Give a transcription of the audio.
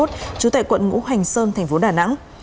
trú tại quận ngũ hành sơn thành phố đà nẵng